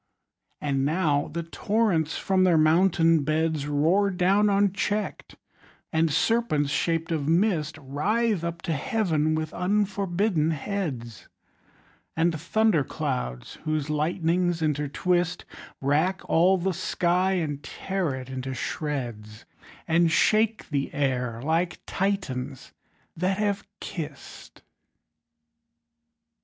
And now the torrents from their mountain beds Roar down uncheck'd; and serpents shaped of mist Writhe up to Heaven with unforbidden heads; And thunder clouds, whose lightnings intertwist, Rack all the sky, and tear it into shreds, And shake the air like Titians that have kiss'd!